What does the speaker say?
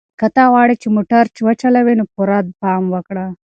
که ته غواړې چې موټر وچلوې نو پوره پام کوه.